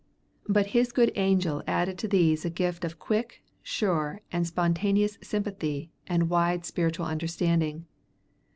But his good angel added to these a gift of quick, sure, and spontaneous sympathy and wide spiritual understanding.